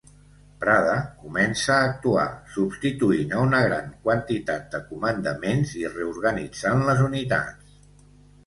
Prada comença a actuar, substituint a una gran quantitat de comandaments i reorganitzant les unitats.